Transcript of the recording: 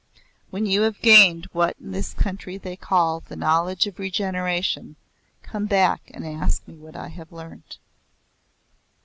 "When you have gained what in this country they call The Knowledge of Regeneration, come back and ask me what I have learnt."